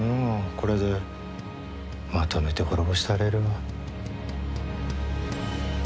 これでまとめて滅ぼしたれるわ。